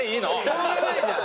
しょうがないじゃん。